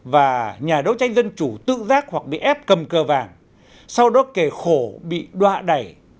và nhà đấu tranh dân chủ tự giác hoặc bị ép cầm cờ vàng sau đó kề khổ bị đoạ đẩy